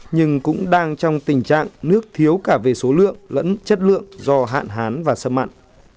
nhưng cũng đang trong tình trạng nước thiếu cả về số lượng lẫn chất lượng do hạn hán và xâm mặn